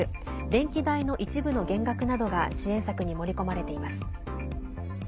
電気代の一部の減額などが支援策に盛り込まれています。